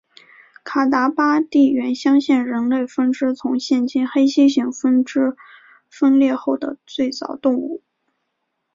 卡达巴地猿相信是人类分支从现今黑猩猩分支分裂后的最早动物。